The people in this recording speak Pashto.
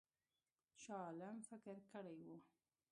شاه عالم فکر کړی وو.